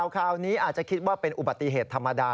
คราวนี้อาจจะคิดว่าเป็นอุบัติเหตุธรรมดา